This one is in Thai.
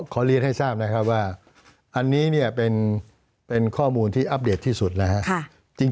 ขอเรียนให้ทราบนะครับว่าอันนี้เนี่ยเป็นข้อมูลที่อัปเดตที่สุดนะครับ